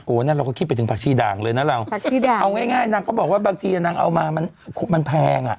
นั่นเราก็คิดไปถึงผักชีด่างเลยนะเราผักชีด่างเอาง่ายนางก็บอกว่าบางทีนางเอามามันแพงอ่ะ